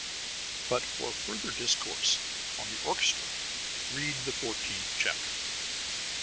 But for further discourse on the orchestra read the fourteenth chapter.